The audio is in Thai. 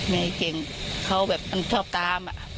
ไม่เก่งเขาแบบมันชอบตาม